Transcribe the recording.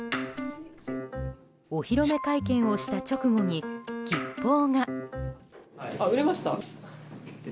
お披露目会見をした直後に吉報が。